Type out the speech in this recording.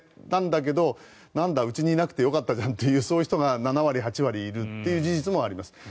なんだけどなんだ、うちにいなくてよかったじゃんという人がそういう人が７割８割いるという事実もあります。